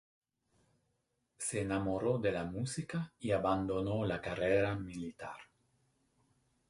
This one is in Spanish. Se enamoró de la música y abandonó la carrera militar.